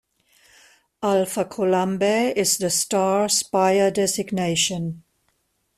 "Alpha Columbae" is the star's Bayer designation.